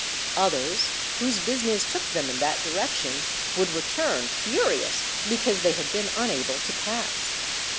Others, whose business took them in that direction, would return, furious, because they had been unable to pass.